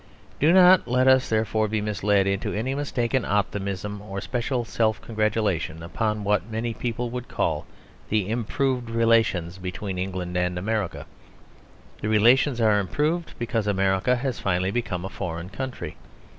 Do not let us therefore be misled into any mistaken optimism or special self congratulation upon what many people would call the improved relations between England and America. The relations are improved because America has finally become a foreign country.